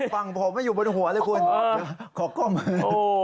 ฝั่งผมไม่อยู่บนหัวเลยขอข่อมือ